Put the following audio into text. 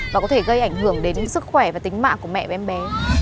và có thể gây ảnh hưởng đến sức khỏe và tính mạng của mẹ và em bé